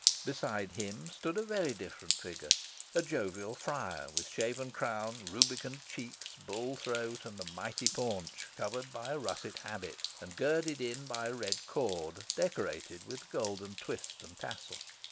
Beside him stood a very different figure, a jovial friar, with shaven crown, rubicund cheeks, bull throat, and mighty paunch, covered by a russet habit, and girded in by a red cord, decorated with golden twist and tassel.